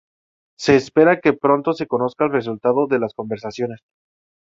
Se espera que pronto se conozca el resultado de las conversaciones.